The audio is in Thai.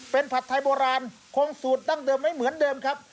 เป็นผัดไทยโบราณคงสูตรดั้งเดิมไม่เหมือนเดิมครับ